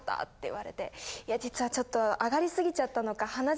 実はちょっと上がりすぎちゃったのか。